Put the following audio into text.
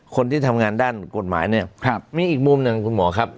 คนที่ทำงานด้านกฎหมายเนี่ยมีอีกมุมหนึ่งคุณหมอครับ